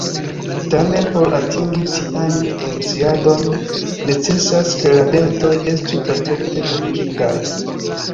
Tamen, por atingi tian funkciadon, necesas ke la dentoj estu perfekte fabrikitaj.